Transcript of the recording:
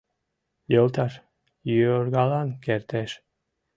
Йолташ йоргалан кертеш.